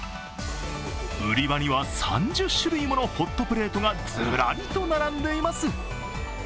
売り場には３０種類ものホットプレートがずらりと並んでいます。